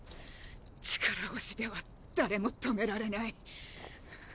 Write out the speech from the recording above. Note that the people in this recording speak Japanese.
力押しでは誰も止められない。